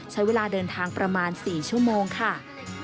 ใช้เวลาเดินทางประมาณ๔ชั่วโมงค่ะ